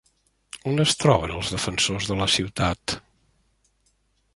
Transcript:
On es troben els defensors de la ciutat?